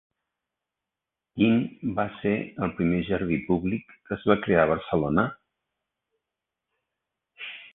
Quin va ser el primer jardí públic que es va crear en Barcelona?